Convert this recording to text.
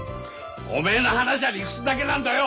おめえの話は理屈だけなんだよ！